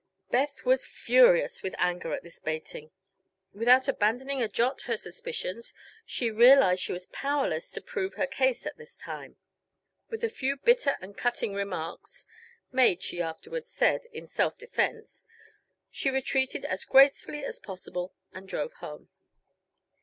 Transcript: Beth was furious with anger at this baiting. Without abandoning a jot her suspicions she realized she was powerless to prove her case at this time. With a few bitter and cutting remarks made, she afterward said, in "self defense" she retreated as gracefully as possible and drove home.